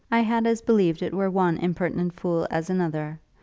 I had as lieve it were one impertinent fool as another.